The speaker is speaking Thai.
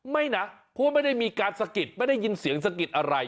นะเพราะว่าไม่ได้มีการสะกิดไม่ได้ยินเสียงสะกิดอะไร